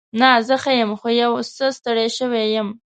نه، زه ښه یم. خو یو څه ستړې شوې یم.